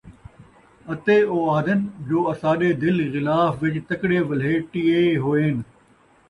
اَتے او اَہدن جو اَساݙے دِل غِلاف وِچ تکڑے وَلھیٹیے ہوئن